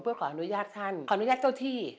เพื่อขออนุญาตท่านขออนุญาตเจ้าที่